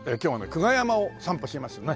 久我山を散歩しますね。